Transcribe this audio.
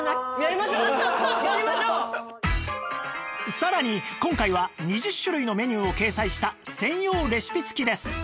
さらに今回は２０種類のメニューを掲載した専用レシピ付きです